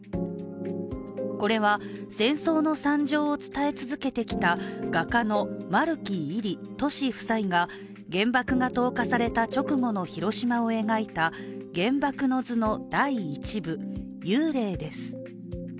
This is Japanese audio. これは戦争の惨状を伝え続けてきた画家の丸木位里・俊夫妻が原爆が投下された直後の広島を描いた「原爆の図」の第１部「幽霊」です。